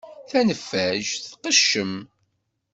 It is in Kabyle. Taneffajt tqeccem.